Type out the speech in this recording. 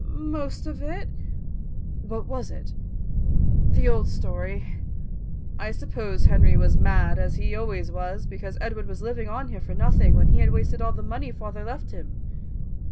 "Most of it." "What was it?" "The old story." "I suppose Henry was mad, as he always was, because Edward was living on here for nothing, when he had wasted all the money father left him."